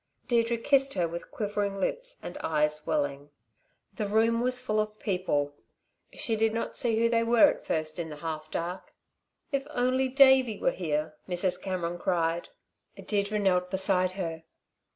Deirdre kissed her with quivering lips, and eyes welling. The room was full of people. She did not see who they were at first in the half dark. "If only Davey were here!" Mrs. Cameron cried. Deirdre knelt beside her.